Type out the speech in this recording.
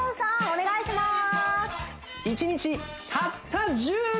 お願いします